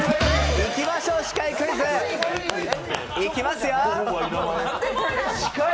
いきましょう死海クイズ！いきますよ！